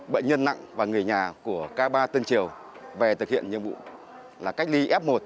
bệnh nhân nặng và người nhà của k ba tân triều về thực hiện nhiệm vụ là cách ly f một